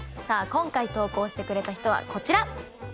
今回投稿してくれた人はこちら。